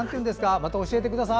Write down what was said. また教えてください。